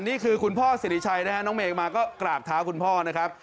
นี่คือคุณพ่อสิริชัยนะฮะน้องเมย์มาก็กราบเท้าคุณพ่อนะครับ